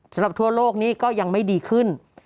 สำหรับทั่วโลกนี้ก็ยังไม่ดีขึ้น